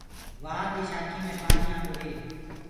وآه دي شآکينٚ مي پآڻي آندو هي۔